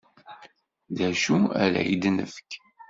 D acu ara ak-d-nefk?